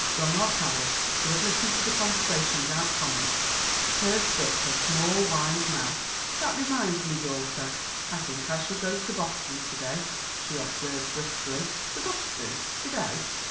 Grandma Carroll, who had listened to the conversation without comment, pursed up her small, wise mouth. "That reminds me, daughter, I think I shall go to Boston to day," she observed briskly. "To Boston to day?"